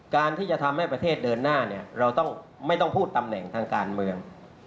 การที่จะทำให้ประเทศเดินหน้าเนี่ยเราไม่ต้องพูดตำแหน่งทางการเมือง